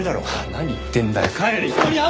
何言ってんだよ。